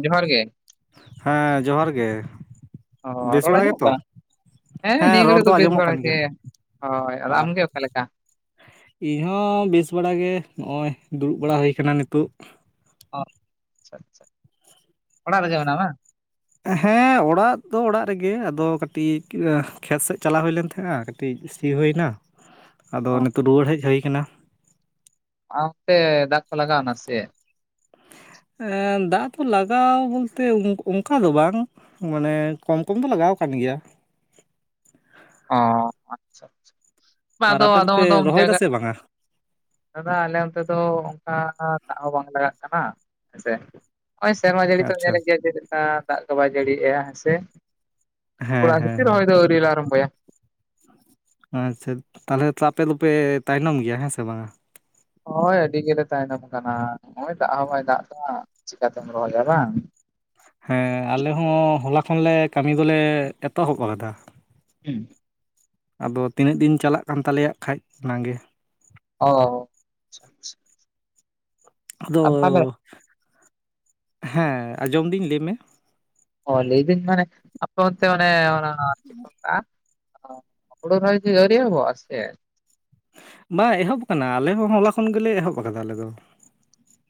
ᱡᱚᱸᱦᱟᱨ ᱜᱮ, ᱦᱮᱸ ᱡᱚᱸᱦᱟᱨ ᱜᱮ, ᱚ ᱵᱮᱥ ᱨᱚᱲ ᱵᱟᱲᱟ ᱟᱸᱡᱚᱢᱚᱜ ᱜᱮᱛᱚ? ᱠᱟᱱᱟ ᱦᱮᱸ ᱱᱤᱭᱟᱹ ᱨᱚᱲ ᱜᱷᱟᱹᱲᱤᱡ ᱫᱚ ᱵᱮᱥ ᱟᱸᱡᱚᱢᱚᱜ ᱵᱟᱲᱟ ᱠᱟᱱ ᱜᱮ ᱜᱮᱭᱟ ᱦᱳᱭ ᱟᱫᱚ ᱟᱢᱜᱮ ᱚᱠᱟᱮᱠᱟ? ᱤᱧ ᱦᱚᱸ ᱵᱮᱥ ᱵᱟᱲᱟᱜ ᱜᱮ ᱱᱚᱜᱼᱚᱭ ᱫᱩᱲᱩᱵ ᱵᱟᱲᱟ ᱦᱩᱭ ᱟᱠᱟᱱᱟ ᱱᱤᱛᱚᱜ᱾ ᱚ ᱟᱪᱪᱷᱟ ᱟᱪᱪᱷᱟ ᱚᱲᱟᱜ ᱨᱮᱜᱮ ᱢᱮᱱᱟᱢᱟ ᱵᱟᱝ? ᱦᱮᱸ ᱚᱲᱟᱜ ᱫᱚ ᱚᱲᱟᱜ ᱨᱮᱜᱮ ᱟᱫᱚ ᱠᱟᱹᱴᱤᱡ ᱠᱷᱮᱛ ᱥᱮᱫ ᱪᱟᱞᱟᱣ ᱦᱩᱭ ᱞᱮᱱ ᱛᱟᱦᱮᱸᱜᱼᱟ ᱠᱟᱹᱴᱤᱡ ᱥᱤ ᱦᱩᱭ ᱮᱱᱟ ᱟᱫᱚ ᱚ ᱱᱤᱛᱚᱜ ᱨᱩᱣᱟᱹᱲ ᱦᱮᱡ ᱦᱩᱭᱠᱟᱱᱟ ᱾ ᱟᱛᱮ ᱫᱟᱜ ᱞᱟᱜᱟᱣ ᱮᱱᱟ ᱥᱮ? ᱮ ᱫᱟᱜ ᱫᱚ ᱞᱟᱜᱟᱣ ᱵᱚᱞᱛᱮ ᱚᱱᱠᱟ ᱫᱚ ᱵᱟᱝ᱾ ᱢᱟᱱᱮ ᱠᱚᱢ ᱠᱚᱢ ᱫᱚ ᱞᱟᱜᱟᱣ ᱟᱠᱟᱱ ᱜᱮᱭᱟ ᱾ ᱚ ᱟᱪᱪᱷᱟ ᱪᱷᱟ ᱟᱨ ᱟᱫᱚ ᱟᱯᱮ ᱟᱫᱚᱢ ᱫᱚᱯᱮ ᱟᱫᱚᱢ ᱨᱚᱦᱚᱭ ᱫᱟ ᱡᱟᱭᱜᱟ ᱥᱮ ᱵᱟᱝᱟ ᱫᱟᱫᱟ ᱟᱞᱮ ᱚᱱᱛᱮ ᱫᱚ ᱚᱱᱠᱟ ᱫᱟᱜ ᱦᱚᱸ ᱵᱟᱝ ᱞᱟᱜᱟᱜ ᱠᱟᱱᱟ ᱦᱮᱸᱥᱮ ᱾ ᱱᱚᱜᱼᱚᱭ ᱥᱮᱨᱢᱟ ᱡᱟᱹᱲᱤ ᱛᱚ ᱟᱪᱪᱷᱟ ᱧᱮᱞᱮᱜ ᱜᱮᱭᱟ ᱡᱮᱠᱟ ᱫᱟᱜ ᱜᱮᱵᱟᱭ ᱡᱟᱹᱲᱤᱭᱜᱼᱟ ᱦᱮᱸᱥᱮ ᱦᱮᱸ ᱠᱚᱲᱟ ᱜ ᱦᱮᱸ ᱦᱮᱸ ᱨᱚᱦᱚᱭ ᱫᱚ ᱟᱹᱣᱨᱤ ᱞᱮ ᱟᱨᱟᱢᱵᱚᱭᱟ ᱾ ᱟᱪᱪᱷᱟ ᱛᱟᱦᱚᱞᱮ ᱛᱚ ᱟᱯᱮ ᱫᱚᱯᱮ ᱛᱟᱭᱱᱚᱢ ᱜᱮᱭᱟ ᱦᱮᱸ ᱥᱮ ᱵᱟᱝᱟ? ᱦᱳᱭ ᱟᱹᱰᱤ ᱜᱮᱞᱮ ᱛᱟᱭᱱᱚᱢ ᱠᱟᱱᱟ ᱱᱚᱜ ᱚᱭ ᱫᱟᱜ ᱦᱚᱸ ᱵᱟᱭ ᱫᱟᱜ ᱮᱫᱟ ᱪᱮᱠᱟᱛᱮᱢ ᱨᱚᱦᱚᱭᱟ ᱵᱟᱝ ᱾ ᱦᱮᱸ ᱟᱞᱮ ᱦᱚᱸ ᱦᱚᱞᱟ ᱠᱷᱚᱱᱞᱮ ᱠᱟᱹᱢᱤ ᱫᱚᱞᱮ ᱮᱛᱚᱦᱚᱵ ᱟᱠᱟᱫᱟ ᱾ ᱦᱮᱸ ᱟᱫᱚ ᱛᱤᱱᱟᱹᱜ ᱫᱤᱱ ᱪᱟᱞᱟᱜ ᱠᱟᱱ ᱛᱟᱞᱮᱭᱟ ᱟᱠᱷᱟᱡ ᱚᱱᱟᱜᱮ ᱾ ᱚᱻ ᱟᱫᱚ, ᱦᱮᱸ ᱟᱸᱡᱚᱢᱫᱤᱧ ᱞᱟᱹᱭ ᱢᱮ? ᱚ ᱞᱟᱹᱭᱫᱟᱹᱧ ᱢᱟᱱᱮ ᱟᱯᱮ ᱚᱱᱛᱮ ᱚᱱᱮ ᱚᱱᱟ ᱪᱮᱫ ᱠᱚ ᱢᱮᱛᱟᱜᱼᱟ? ᱦᱳᱲᱳ ᱨᱚᱦᱚᱭ ᱠᱤ ᱟᱣᱨᱤ ᱮᱦᱚᱵᱚᱜ-ᱟ ᱥᱮ ᱪᱮᱫ? ᱵᱟ ᱮᱦᱚᱵ ᱠᱟᱱᱟ ᱟᱞᱮ ᱦᱚᱸ ᱦᱚᱞᱟ ᱠᱷᱚᱱ ᱜᱮᱞᱮ ᱮᱦᱚᱵ ᱠᱟᱫᱟ ᱟᱞᱮ ᱫᱚ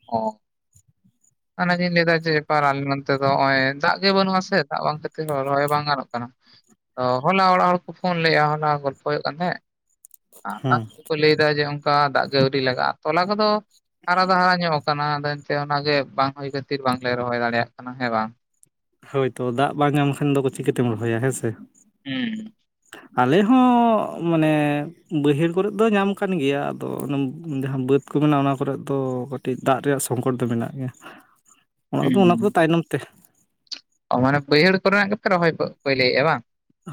ᱚ ᱚᱱᱟ ᱜᱤᱧ ᱞᱟᱹᱭ ᱮᱫᱟ ᱡᱮ ᱼᱼ ᱮᱠᱟᱞ ᱟᱞᱮ ᱱᱚᱱᱛᱮ ᱫᱚ ᱦᱚᱜᱚᱭ ᱫᱟᱜ ᱜᱮ ᱵᱟᱹᱱᱩᱜ ᱟᱥᱮ ᱫᱟᱜ ᱵᱟᱝ ᱦᱚᱛᱮᱡ ᱛᱮ ᱨᱚᱦᱚᱭ ᱜᱮ ᱵᱟᱝ ᱜᱟᱱᱚᱜ ᱠᱟᱱᱟ᱾ ᱚ ᱦᱚᱞᱟ ᱚᱲᱟᱜ ᱦᱚᱲ ᱠᱚ ᱯᱷᱳᱱ ᱞᱮᱜᱼᱟ ᱦᱚᱞᱟ ᱜᱚᱞᱯᱚ ᱦᱩᱭᱩᱜ ᱠᱟᱱ ᱛᱟᱦᱮᱸᱫ ᱦᱮᱸ ᱩᱱᱠᱩ ᱠᱚ ᱞᱟᱹᱭᱫᱟ ᱡᱮ ᱚᱱᱠᱟ ᱫᱟᱜ ᱜᱮ ᱟᱹᱣᱨᱤ ᱞᱟᱜᱟᱜᱼᱟ ᱛᱚᱞᱟ ᱠᱚᱫᱚ ᱦᱟᱨᱟ ᱫᱚ ᱦᱟᱨᱟ ᱧᱚᱜᱼᱼ ᱠᱟᱱᱟ ᱚᱱᱟ ᱞᱟᱭᱤᱱᱛᱮ ᱚᱱᱟᱜᱮ ᱵᱟᱝ ᱦᱩᱭ ᱠᱷᱟᱹᱛᱤᱨ ᱵᱟᱝᱞᱮ ᱨᱚᱦᱚᱭ ᱫᱟᱲᱮᱭᱟᱜ ᱠᱟᱱᱟ ᱦᱮᱸ ᱵᱟᱝ? ᱦᱳᱭ ᱛᱚ ᱫᱟᱜ ᱵᱟᱝ ᱮᱢ ᱠᱷᱟᱱ ᱫᱚ ᱪᱤᱠᱟᱹᱛᱮᱢ ᱨᱚᱦᱚᱭᱟ ᱦᱮᱸ ᱥᱮ᱾ ᱦᱩᱸ ᱟᱞᱮ ᱦᱚᱸ ᱢᱟᱱᱮᱼᱼ ᱵᱟᱹᱭᱦᱟᱹᱲ ᱠᱚᱨᱮ ᱫᱚ ᱧᱟᱢ ᱠᱟᱱ ᱜᱮᱭᱟ ᱟᱫᱚ ᱚᱱᱟ ᱡᱟᱦᱟᱸ ᱵᱟᱹᱫᱽ ᱠᱚ ᱢᱮᱱᱟᱜᱼᱟ ᱚᱱᱟ ᱠᱚᱨᱮᱫ ᱫᱚᱼᱼ ᱠᱟᱹᱴᱤᱡ ᱫᱟᱜ ᱨᱮᱭᱟᱜ ᱥᱚᱝᱠᱚᱴ ᱫᱚ ᱢᱮᱱᱟᱜ ᱜᱮᱭᱟ ᱚᱱᱟ ᱠᱚᱫᱚ ᱚᱱᱟ ᱠᱚᱫᱚ ᱦᱩᱸ ᱛᱟᱭᱱᱚᱢ ᱛᱮ ᱚ ᱢᱟᱱᱮ ᱵᱟᱹᱭᱦᱟᱹᱲ ᱠᱚᱨᱮᱱᱟᱜ ᱜᱮᱯᱮ ᱨᱚᱦᱚᱭ ᱜᱚᱫ ᱯᱟ. ᱭᱞᱟ. ᱮᱫ ᱟ ᱵᱟᱝ?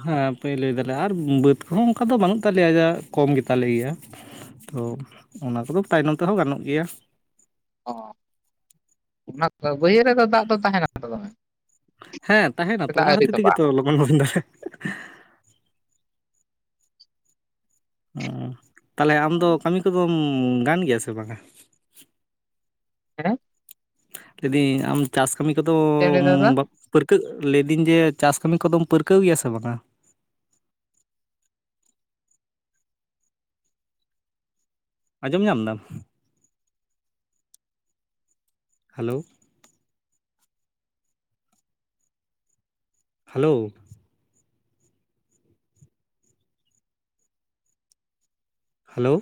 ᱦᱮᱸ ᱯᱟᱹᱭᱞᱟᱹᱭ ᱫᱟᱞᱮ ᱟᱨ ᱵᱟᱹᱫᱽ ᱠᱚᱦᱚᱸ ᱚᱱᱠᱟ ᱫᱚ ᱵᱟᱹᱱᱩᱜ ᱛᱟᱞᱮᱭᱟ ᱡᱟ ᱠᱚᱢ ᱜᱮ ᱛᱟᱞᱮ ᱜᱮᱭᱟ᱾ ᱛᱚ ᱚᱱᱟ ᱠᱚᱫᱚ ᱛᱟᱭᱱᱚᱢ ᱛᱮᱦᱚᱸ ᱜᱟᱱᱚᱜ ᱜᱮᱭᱟ᱾ ᱚᱻ ᱚᱱᱟ ᱵᱟᱹᱭᱦᱟᱹᱲ ᱨᱮᱫᱚ ᱫᱟᱜ ᱫᱚ ᱛᱟᱦᱮᱸ ᱱᱟ ᱛᱚ ᱫᱚᱢᱮ᱾ ᱦᱮᱸ ᱛᱟᱦᱮᱱᱟ ᱥᱮ ᱛᱚ ᱫᱟᱜ ᱚᱱᱟ ᱟᱹᱣᱨᱤ ᱠᱷᱟᱹᱛᱤᱨ ᱛᱚᱸᱵᱟᱜᱼᱟ ᱛᱮᱜᱮ ᱛᱚ ᱞᱚᱜᱚᱱ ᱞᱚᱜᱚᱱ ᱫᱷᱟᱨᱟ ᱩᱸ ᱛᱟᱦᱚᱞᱮ ᱟᱢ ᱫᱚ ᱦᱮᱸ ᱠᱟᱹᱢᱤ ᱠᱚᱫᱚᱢ ᱜᱟᱱ ᱜᱮᱭᱟ ᱥᱮ ᱵᱟᱝ ᱟ? ᱦᱮᱸ ᱞᱟᱹᱭᱫᱟᱹᱧ ᱟᱢ ᱪᱟᱥ ᱠᱟᱹᱢᱤ ᱠᱚᱫᱚᱼᱼ ᱪᱮᱫ ᱮᱢ ᱞᱟᱹᱭ ᱫᱟ ᱫᱟᱫᱟ ᱯᱟᱹᱨᱠᱟᱹᱜ ᱞᱟᱹᱭᱫᱟᱹᱧ ᱡᱮ ᱪᱟᱥ ᱠᱟᱹᱢᱤ ᱠᱚᱫᱚᱢ ᱯᱟᱹᱨᱠᱟᱹᱣ ᱜᱮᱭᱟ ᱥᱮ ᱵᱟᱝ ᱟ? ᱟᱸᱡᱚᱢ ᱧᱟᱢ ᱫᱟᱢ hello hello hello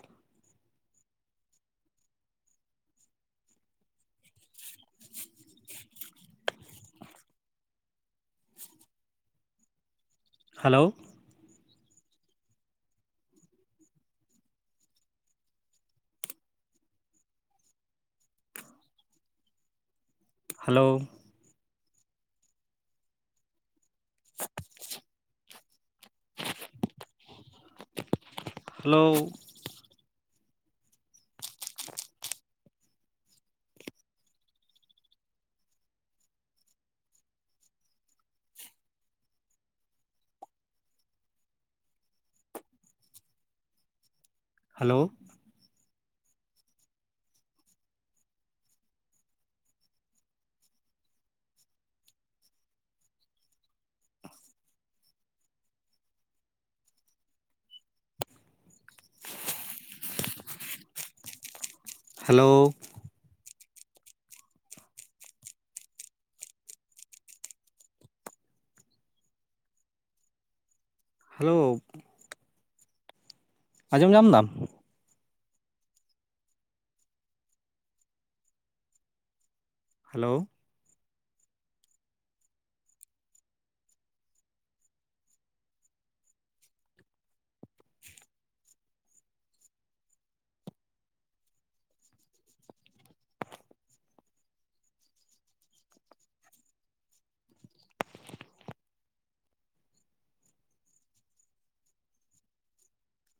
hello hello hello hello hello hello ᱟᱸᱡᱚᱢ ᱧᱟᱢᱫᱟᱢ? ᱦᱮᱞᱳᱣ